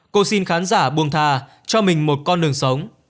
cô xin khán giả buông thà cho mình một con đường sống